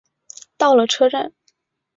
到了车站